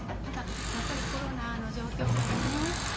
ただやっぱりコロナの状況下でね